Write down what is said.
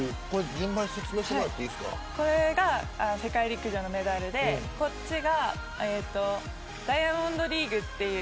順番に説明してこれが世界陸上のメダルでこっちがダイヤモンドリーグっていう。